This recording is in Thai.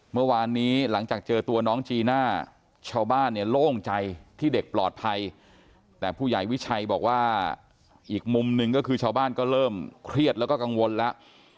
เมื่อวานนี้หลังจากเจอตัวน้องจีน่าชาวบ้านเนี่ยโล่งใจที่เด็กปลอดภัยแต่ผู้ใหญ่วิชัยบอกว่าอีกมุมหนึ่งก็คือชาวบ้านก็เริ่มเครียดแล้วก็กังวลแล้ว